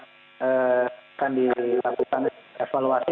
akan dilakukan evaluasi